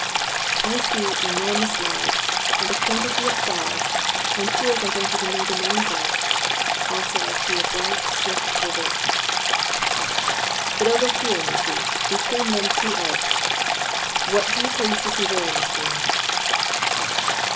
"I see enormous logs, and a quantity of saws, and tools I don't even know the names of. Also I see a bright, swift river." "But over here, missy, between them two oaks. What do you please to see there, Miss Rema?"